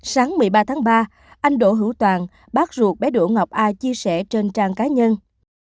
sáng một mươi ba tháng ba anh đỗ hữu toàn bác ruột bé đỗ ngọc a chia sẻ trên trang cá nhân